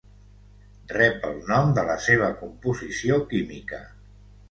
Rep el nom de la seva composició química.